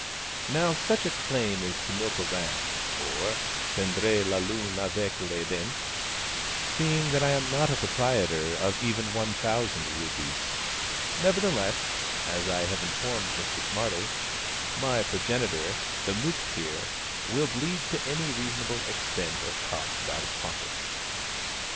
Now such a claim is to milk a ram, or prendre la lune avec les dents, seeing that I am not a proprietor of even one thousand rupees. Nevertheless (as I have informed Mr SMARTLE), my progenitor, the Mooktear, will bleed to any reasonable extent of costs out of pocket.